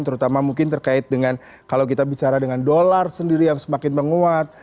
terutama mungkin terkait dengan kalau kita bicara dengan dolar sendiri yang semakin menguat